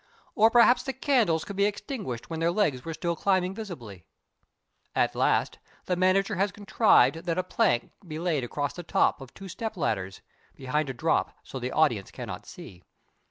Or perhaps the candles could be extinguished when their legs were still climbing visibly. At last the manager has contrived that a plank be laid across the tops of two step ladders, behind a drop so that the audience cannot see.